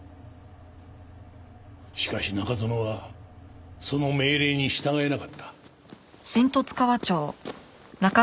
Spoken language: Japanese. しかし中園はその命令に従えなかった。